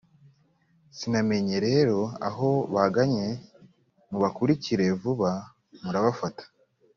sinamenye rero aho bagannye. mubakurikire vuba, murabafata.